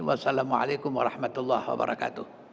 wassalamualaikum warahmatullahi wabarakatuh